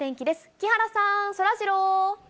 木原さん、そらジロー。